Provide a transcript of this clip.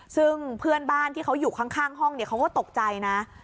ซึ่งเพื่อนบ้านที่เขาอยู่ข้างห้องเขาก็ตกใจนะ